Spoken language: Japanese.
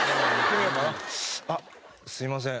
あっすみません